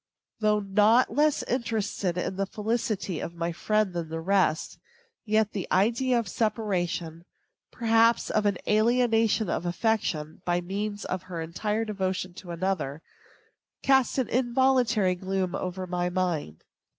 Though not less interested in the felicity of my friend than the rest, yet the idea of a separation, perhaps of an alienation of affection, by means of her entire devotion to another, cast an involuntary gloom over my mind.